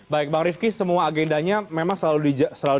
baik bang rifki semua agendanya memang selalu